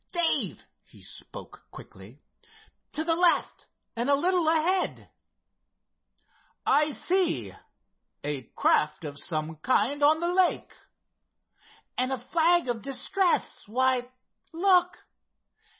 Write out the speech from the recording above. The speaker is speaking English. "Dave," he spoke quickly—"to the left, and a little ahead." "I see—a craft of some kind on the lake." "And a flag of distress—why, look!